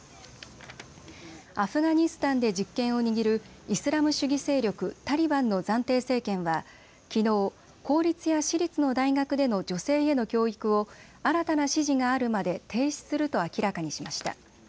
アフガニスタンで実権を握るイスラム主義勢力タリバンの暫定政権はきのう公立や私立の大学での女性への教育を新たな指示があるまで停止すると明らかにしました。